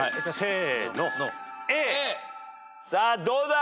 さあどうだ？